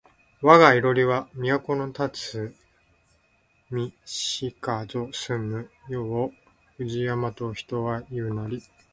わが庵は都のたつみしかぞ住む世を宇治山と人は言ふなり